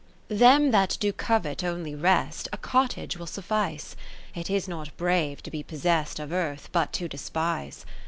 ~ Them that do covet only rest, A cottage will suffice : It is not brave to be possest Of Earth, but to despise.